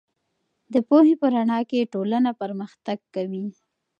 د پوهې په رڼا کې ټولنه پرمختګ کوي.